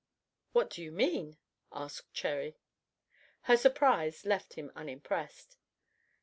"What do you mean?" asked Cherry. Her surprise left him unimpressed.